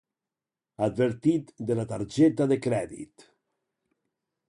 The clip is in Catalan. Advertit de la targeta de crèdit.